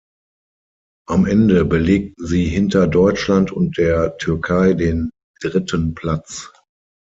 Am Ende belegten sie hinter Deutschland und der Türkei den dritten Platz.